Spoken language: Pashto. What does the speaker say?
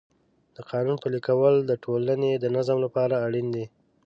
د قانون پلي کول د ټولنې د نظم لپاره اړین دی.